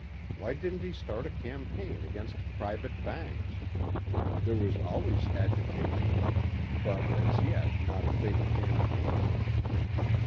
Why didn't he start a campaign against private banks. There was always agitation, but as yet not a big campaign.